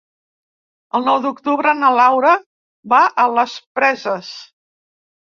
El nou d'octubre na Laura va a les Preses.